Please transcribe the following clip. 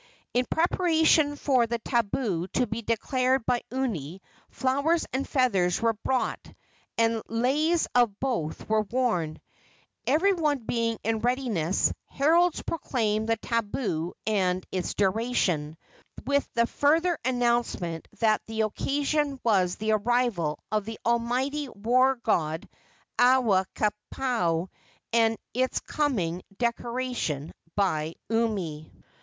In preparation for the tabu to be declared by Umi, flowers and feathers were brought, and leis of both were woven. Everything being in readiness, heralds proclaimed the tabu and its duration, with the further announcement that the occasion was the arrival of the mighty war god Akuapaao and its coming decoration by Umi.